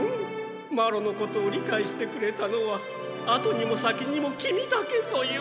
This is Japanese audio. マロのことをりかいしてくれたのは後にも先にもキミだけぞよ。